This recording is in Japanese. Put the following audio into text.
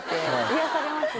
癒やされます。